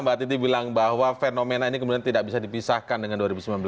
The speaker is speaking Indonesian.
mbak titi bilang bahwa fenomena ini kemudian tidak bisa dipisahkan dengan dua ribu sembilan belas